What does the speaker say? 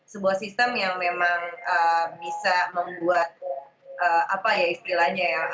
sebuah sistem yang memang bisa membuat apa ya istilahnya ya